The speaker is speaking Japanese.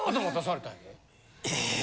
・え？